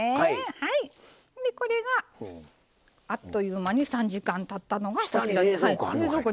これがあっという間に３時間たったのが。